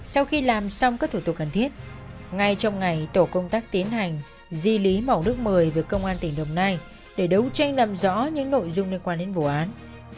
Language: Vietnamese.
sau khi làm xong các thủ tục cần thiết ngay trong ngày tổ công tác tiến hành di lý mỏng nước mời về công an tỉnh đồng nai để đấu tranh làm rõ những nội dung liên quan đến vụ án